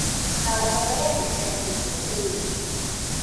เราคงได้เห็นเศรษฐกิจที่ดี